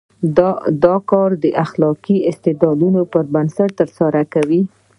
دا کار د اخلاقي استدلال پر بنسټ ترسره کوو.